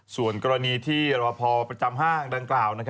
ส่วนกรณีที่รอพอประจำห้างดังกล่าว